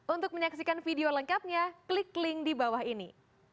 untuk menyaksikan video lengkapnya klik link di bawah ini